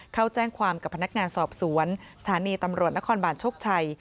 เข้าแจ้งความกับพนักงานสอบสวนสถานีตำรวจนครบาลโชคชัย